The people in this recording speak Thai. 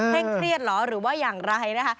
เครียดเหรอหรือว่าอย่างไรนะคะ